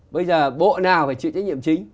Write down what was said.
bây giờ bộ nào phải chịu trách nhiệm chính